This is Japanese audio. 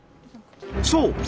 そう！